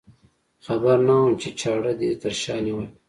خبر نه وم چې چاړه دې تر شا نیولې.